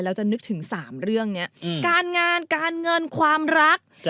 จะนึกถึง๓เรื่องนี้การงานการเงินความรัก